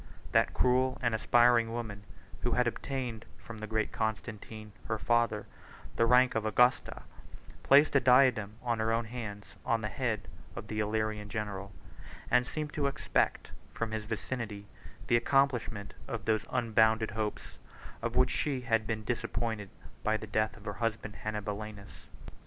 That cruel and aspiring woman, who had obtained from the great Constantine, her father, the rank of Augusta, placed the diadem with her own hands on the head of the Illyrian general; and seemed to expect from his victory the accomplishment of those unbounded hopes, of which she had been disappointed by the death of her husband Hannibalianus.